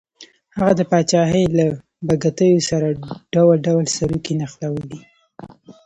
هغه د پاچاهۍ له بګتیو سره ډول ډول سروکي نښلوي.